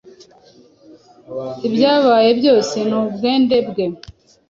Ibyabaye byose ni ubwende bwe